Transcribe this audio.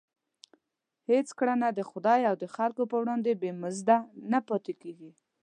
هېڅ کړنه د خدای او خلکو په وړاندې بې مزده نه پاتېږي.